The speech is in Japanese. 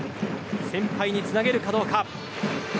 先輩につなげるかどうか。